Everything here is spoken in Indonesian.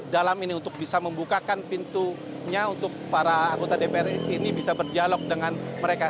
dalam ini untuk bisa membukakan pintunya untuk para anggota dpr ini bisa berdialog dengan mereka